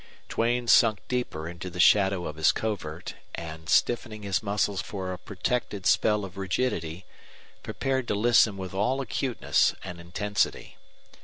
Duane sunk deeper into the shadow of his covert, and, stiffening his muscles for a protected spell of rigidity, prepared to listen with all acuteness and intensity.